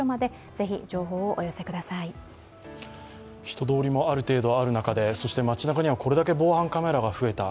人通りもある程度ある中で街なかにはこれだけ防犯カメラが増えた。